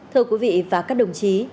thưa quý vị và các đồng chí